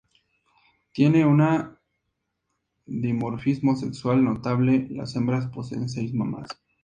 Tiene una dimorfismo sexual notable: las hembras poseen seis mamas.